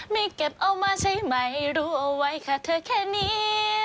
ไม่เก็บเอามาใช่ไหมรู้เอาไว้ค่ะเธอแค่นี้